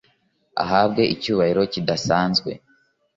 ahabwe icyubahiro kidasanzwe